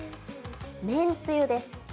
めんつゆです。